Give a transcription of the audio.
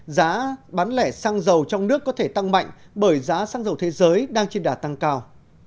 giá bán lẻ xăng dầu trong nước có thể tăng mạnh bởi giá xăng dầu thế giới đang trên đà tăng cao